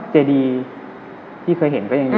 เจดีที่เคยเห็นก็ยังดี